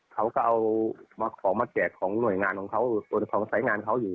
เขาก็เอาของมาแจกของหน่วยงานของเขาส่วนของสายงานเขาอยู่